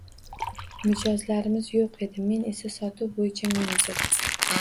Mijozlarimiz yoʻq edi, men esa sotuv boʻyicha menejer.